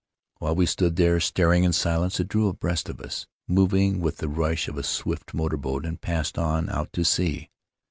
While we stood there, staring in silence, it drew abreast of us, moving with the rush of a swift motor boat, and passed on — out to sea.